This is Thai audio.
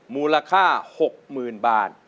มูลค่า๖๐๐๐บาท